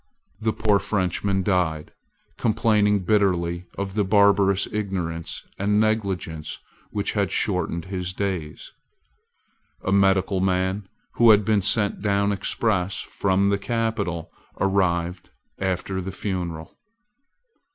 The poor Frenchman died, complaining bitterly of the barbarous ignorance and negligence which had shortened his days. A medical man, who had been sent down express from the capital, arrived after the funeral.